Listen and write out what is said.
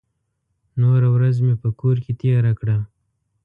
نوره ورځ مې په کور کې تېره کړه.